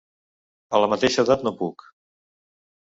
A la mateixa edat no puc.